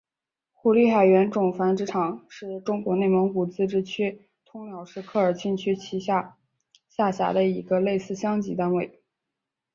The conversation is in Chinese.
胡力海原种繁殖场是中国内蒙古自治区通辽市科尔沁区下辖的一个类似乡级单位。